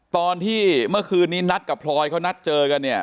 ตอนที่เมื่อคืนนี้นัดกับพลอยเขานัดเจอกันเนี่ย